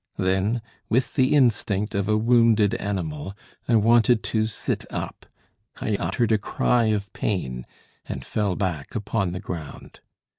Then, with the instinct of a wounded animal, I wanted to sit up. I uttered a cry of pain, and fell back upon the ground.